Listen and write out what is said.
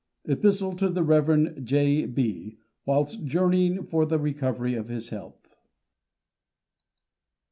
EPISTLE TO THE REV. J B , WHILST JOURNEYING FOR THE RECOVERY OF HIS HEALTH.